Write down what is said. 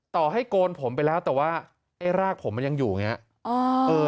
ต่อให้โกนผมไปแล้วแต่ว่าไอ้รากผมมันยังอยู่อย่างนี้